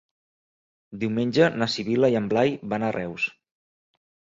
Diumenge na Sibil·la i en Blai van a Reus.